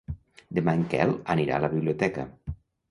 Demà en Quel anirà a la biblioteca.